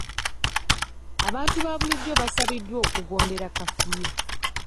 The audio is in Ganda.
Abantu ba bulijo basabiddwa okugondera kafiyu.